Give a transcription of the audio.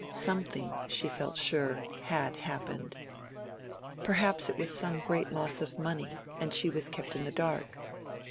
Something, she felt sure, had happened. Perhaps it was some great loss of money; and she was kept in the dark.